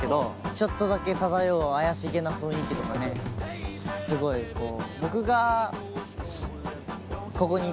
ちょっとだけ漂う怪しげな雰囲気とかねすごいこう。